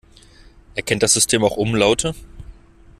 Erkennt das System auch Umlaute?